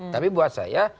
tapi buat saya